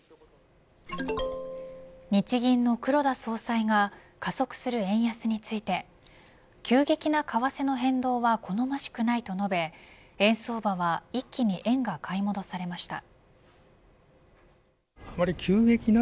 日銀の黒田総裁が加速する円安について急激な為替の変動は好ましくないと述べ円相場は一気に円が買い戻されました。